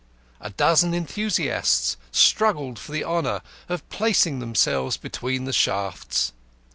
A dozen enthusiasts struggled for the honour of placing themselves between the shafts.